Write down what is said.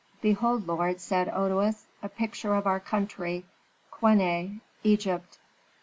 "Behold, lord," said Otoes, "a picture of our country, Queneh, Egypt.